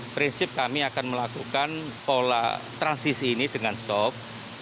prinsip kami akan melakukan pola transisi ini dengan sop